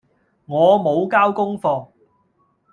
我無交功課